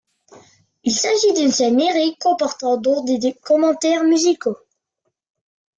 Il s'agit d'une scène lyrique comportant donc des commentaires musicaux.